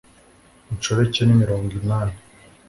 inshoreke ni mirongo inani